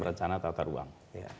rencana tata ruang